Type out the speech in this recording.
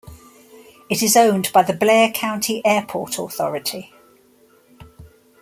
It is owned by the Blair County Airport Authority.